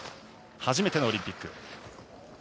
初めてのオリンピック。